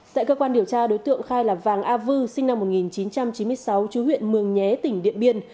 tại cơ quan điều tra đối tượng khai là vàng a vư sinh năm một nghìn chín trăm chín mươi sáu chú huyện mường nhé tỉnh điện biên